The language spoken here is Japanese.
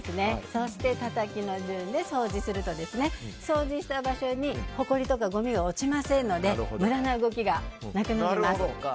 そしてたたきの順でそうじすると掃除した場所にほこりとかごみが落ちませんので、無駄な動きがなくなります。